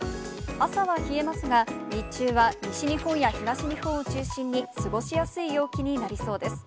朝は冷えますが、日中は西日本や東日本を中心に過ごしやすい陽気になりそうです。